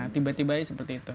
tiba tiba seperti itu